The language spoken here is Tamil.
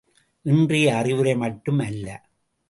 இன்றைய அறிவுரை மட்டும் அல்ல.